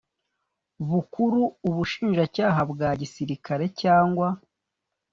Bukuru Ubushinjacyaha bwa Gisirikare cyangwa